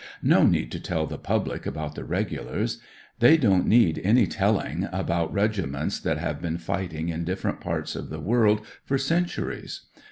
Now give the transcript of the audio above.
" No need to tell the public about the Regulars. They don't need any telling about regi ments that have been fighting in different parts of the world for centuries.